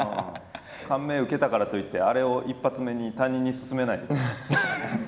感銘受けたからといってあれを一発目に他人にすすめないでください。